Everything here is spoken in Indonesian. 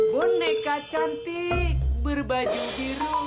boneka cantik berbaju biru